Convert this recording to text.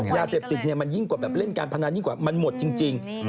ยาเสพติดมันยิ่งกว่าแบบเล่นการพนันยิ่งกว่ามันหมดจริง